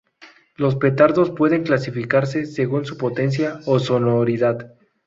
Los petardos pueden clasificarse, según su potencia o sonoridad.